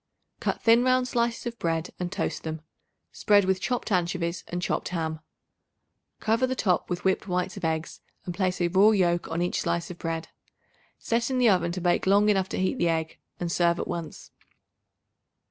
Cut thin round slices of bread and toast them. Spread with chopped anchovies and chopped ham. Cover the top with whipped whites of eggs and place a raw yoke on each slice of bread. Set in the oven to bake long enough to heat the egg, and serve at once.